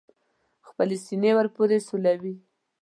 خپلې سینې ور پورې سولوي.